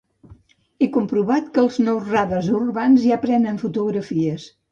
He comprovat que els nous radars urbans ja prenen fotografies.